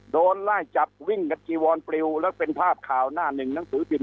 โดนไล่จับวิ่งกันจีวอนปลิวแล้วเป็นภาพข่าวหน้าหนึ่งหนังสือพิม